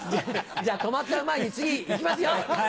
じゃあ止まっちゃう前に次行きますよ！